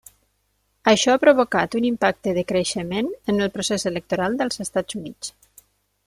Això ha provocat un impacte de creixement en el procés electoral dels Estats Units.